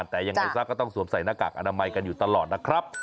ต้องสวมใส่หน้ากากอนามัยกันอยู่ตลอดนะครับ